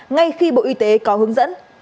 ngay khi bộ y tế có hướng dẫn